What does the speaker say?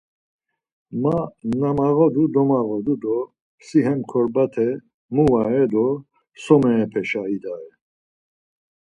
Ma na mağodu domağodu do si hem korbate mu vare do so meepeşa idare?